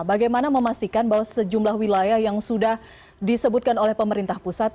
bagaimana memastikan bahwa sejumlah wilayah yang sudah disebutkan oleh pemerintah pusat